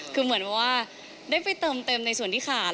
คือเหมือนว่าได้ไปเติมในส่วนที่ขาด